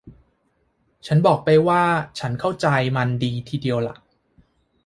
ฉันบอกไปว่าฉันเข้าใจมันดีทีเดียวล่ะ